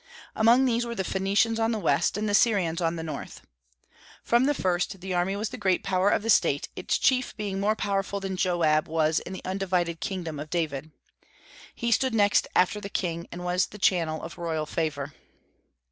Among these were the Phoenicians on the west, and the Syrians on the north. From the first the army was the great power of the state, its chief being more powerful than Joab was in the undivided kingdom of David. He stood next after the king, and was the channel of royal favor.